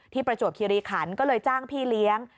ประจวบคิริขันก็เลยจ้างพี่เลี้ยง